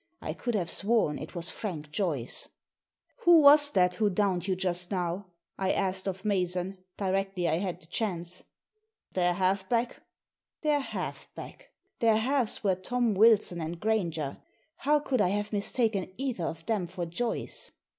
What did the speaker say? I could have sworn it was Frank Joyce ! "Who was that who downed you just now?" I asked of Mason, directly I had the chance. "Their half back." Digitized by VjOOQIC THE FIFTEENTH MAN 155 Their half back ! Their halves were Tom Wilson and Granger. How could I have mistaken either of them for Joyce?